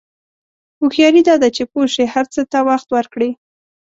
هوښیاري دا ده چې پوه شې هر څه ته وخت ورکړې.